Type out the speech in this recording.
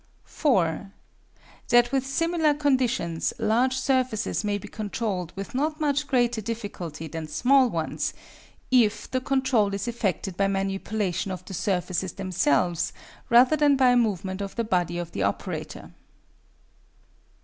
4. That with similar conditions large surfaces may be controlled with not much greater difficulty than small ones, if the control is effected by manipulation of the surfaces themselves, rather than by a movement of the body of the operator.